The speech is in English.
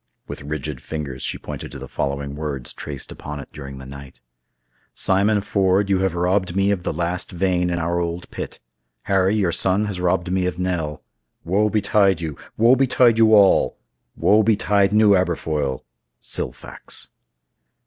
With rigid fingers she pointed to the following words traced upon it during the night: "Simon Ford, you have robbed me of the last vein in our old pit. Harry, your son, has robbed me of Nell. Woe betide you! Woe betide you all! Woe betide New Aberfoyle!—SILFAX."